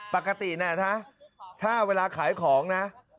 ปกตินะถ้าเวลาขายของนะ